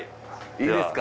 いいですか？